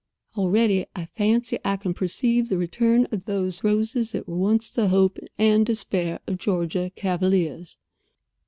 Already I fancy I can perceive the return of those roses that were once the hope and despair of Georgia cavaliers."